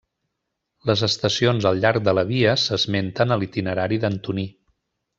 Les estacions al llarg de la via s'esmenten a l'Itinerari d'Antoní.